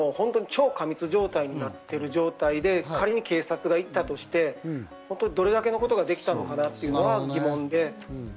１時間前とかの超過密状態になっている状態で仮に警察が行ったとして、どれだけのことができたのかなというのは疑問です。